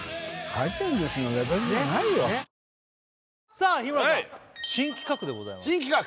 さあ日村さん新企画でございます新企画！